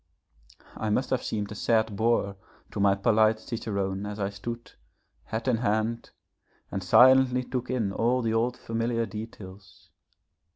I must have seemed a sad boor to my polite cicerone as I stood, hat in hand, and silently took in all the old familiar details.